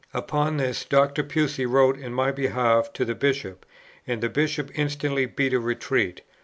Upon this Dr. Pusey wrote in my behalf to the Bishop; and the Bishop instantly beat a retreat.